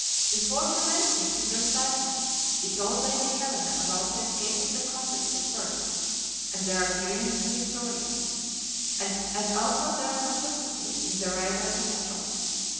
Before commencing his recital, he told Lady Helena about the escape of the convicts at Perth, and their appearance in Victoria; as also their complicity in the railway catastrophe.